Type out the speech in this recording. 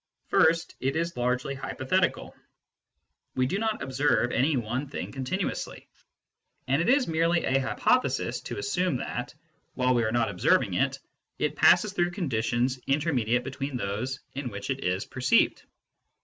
First, it is largely hypothetical. We do not observe SENSE DATA AND PHYSICS 171 any one thing continuously, and it is merely a hypo thesis to assume that, while we are not observing it, it passes through conditions intermediate between those in which it is perceived.